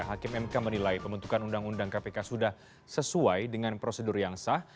hakim mk menilai pembentukan undang undang kpk sudah sesuai dengan prosedur yang sah